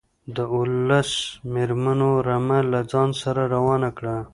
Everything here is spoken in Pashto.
د اوولس مېرمنو رمه له ځان سره روانه کړه.